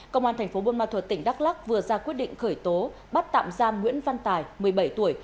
công an thành phố buôn ma thuật tỉnh đắk lắc vừa ra quyết định khởi tố bắt tạm giam nguyễn văn tài một mươi bảy tuổi